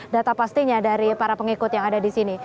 data pastinya dari para pengikut yang ada di sini